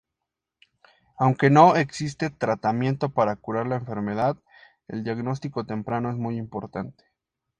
Aunque no existe tratamiento para curar la enfermedad, el diagnóstico temprano es muy importante.